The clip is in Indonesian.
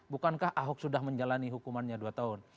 bukankah ahok sudah menjalani hukumannya dua tahun